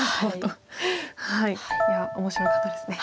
いや面白かったですね。